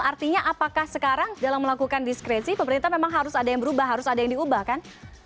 artinya apakah sekarang dalam melakukan diskresi pemerintah memang harus ada yang berubah harus ada yang diubah kan